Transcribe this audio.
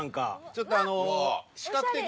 ちょっとあの。